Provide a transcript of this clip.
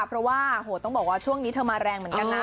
เพราะว่าโหต้องบอกว่าช่วงนี้เธอมาแรงเหมือนกันนะ